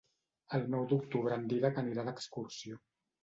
El nou d'octubre en Dídac anirà d'excursió.